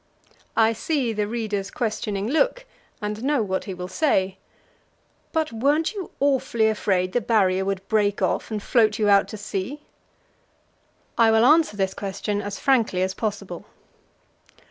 I see the reader's questioning look, and know what he will say: "But weren't you awfully afraid the Barrier would break off, and float you out to sea?" I will answer this question as frankly as possible.